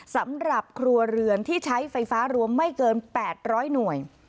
สำหรับครัวเรือนที่ใช้ไฟฟ้ารวมไม่เกิน๘๐๐หน่วย